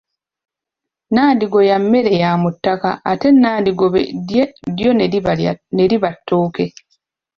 Nandigoya mmere ya mu ttaka ate nandigobe lyo ne liba ttooke.